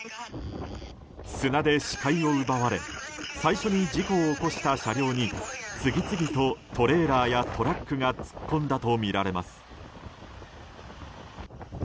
砂で視界を奪われ最初に事故を起こした車両に次々とトレーラーやトラックが突っ込んだとみられます。